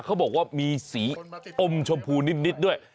เขาบอกว่ามีสีอมชมพูนิดด้วย